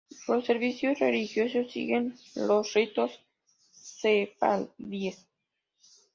Los servicios religiosos siguen los ritos sefardíes.